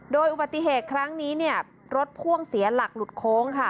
โดยอุบัติเหตุครั้งนี้เนี่ยรถพ่วงเสียหลักหลุดโค้งค่ะ